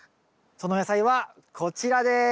その野菜はこちらです。